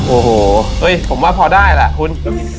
โอ้โหผมว่าพอได้แหละคุณ